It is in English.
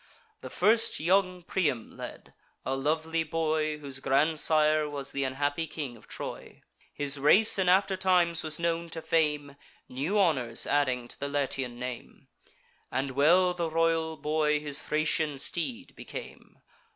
The first young Priam led; a lovely boy, Whose grandsire was th' unhappy king of Troy; His race in after times was known to fame, New honours adding to the Latian name; And well the royal boy his Thracian steed became.